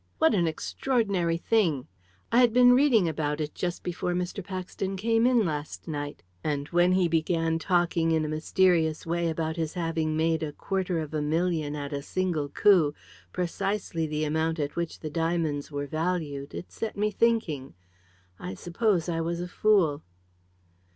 What an extraordinary thing! I had been reading about it just before Mr. Paxton came in last night, and when he began talking in a mysterious way about his having made a quarter of a million at a single coup precisely the amount at which the diamonds were valued it set me thinking. I suppose I was a fool."